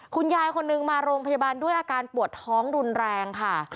คุณยายคนนึงมาโรงพยาบาลด้วยอาการปวดท้องรุนแรงค่ะ